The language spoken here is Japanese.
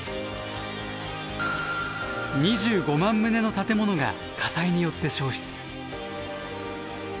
２５万棟の建物が火災によって焼失。